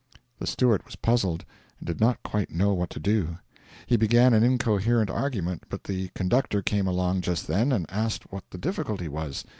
The steward was puzzled, and did not quite know what to do. He began an incoherent argument, but the conductor came along just then, and asked what the difficulty was.